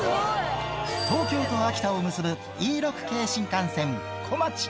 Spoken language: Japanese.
東京と秋田を結ぶＥ６系新幹線、こまち。